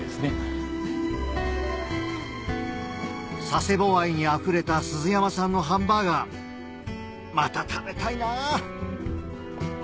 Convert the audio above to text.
佐世保愛にあふれた鈴山さんのハンバーガーまた食べたいなぁ！